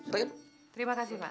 terima kasih pak